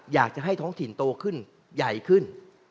อยากจะให้ท้องถิ่นโตขึ้นใหญ่ขึ้น